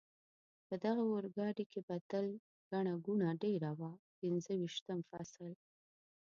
په دغه اورګاډي کې به تل ګڼه ګوڼه ډېره وه، پنځه ویشتم فصل.